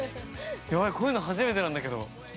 やばい、こういうの初めてなんだけど。